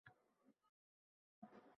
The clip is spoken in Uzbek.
Yoki bezorilar gul-pul uzdimi?